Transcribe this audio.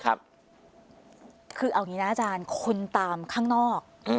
คือเอาอย่างนี้นะอาจารย์คนตามข้างนอก